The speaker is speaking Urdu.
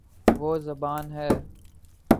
وہ زبا ن ہے